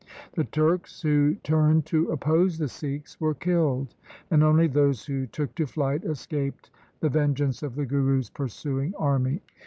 The Turks who turned to oppose the Sikhs were killed, and only those who took to flight escaped the ven geance of the Guru's pursuing army.